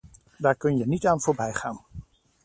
Daar kun je niet aan voorbijgaan.